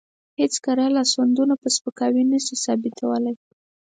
هېڅ کره لاسوندونه په سپکاوي نشي ثابتولی.